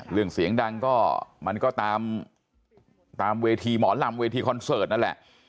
เสียงดังก็มันก็ตามเวทีหมอลำเวทีคอนเสิร์ตนั่นแหละ